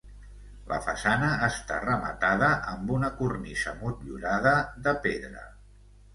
La façana està rematada amb una cornisa motllurada de pedra.